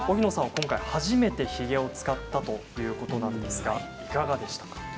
今回初めてヒゲを使ったということなんですが、いかがでしたか？